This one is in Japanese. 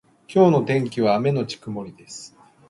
今日の天気は雨のち曇りです。